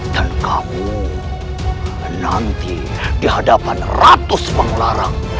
dan kamu nanti dihadapan ratus penglarang